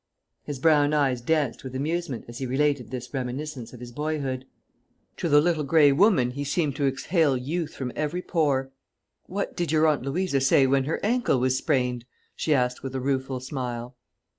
'" His brown eyes danced with amusement as he related this reminiscence of his boyhood. To the Little Grey Woman he seemed to exhale youth from every pore. "What did your Aunt Louisa say when her ankle was sprained?" she asked with a rueful smile.